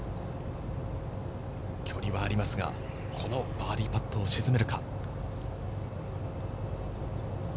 距離はありますが、このバーディーパットを沈めるか。